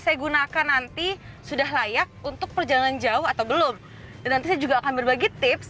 digunakan nanti sudah layak untuk perjalanan jauh atau belum dan juga akan berbagi tips